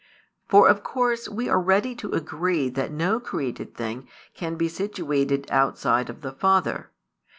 For of course we are ready to agree that no created thing can be situated outside of the Father.